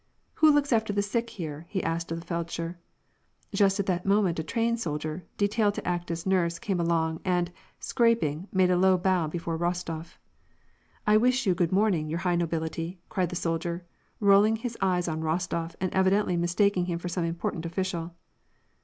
" Who looks after the sick here ?" he asked of the feldsher, Just at that moment a train soldier, detailed to act as nurse. came along, and, scraping, made a low bow before Rostof. " I wish you good morning, your high nobility," cried the soldier, rolling his eyes on Rostof, and evidently mistaking him for some important official.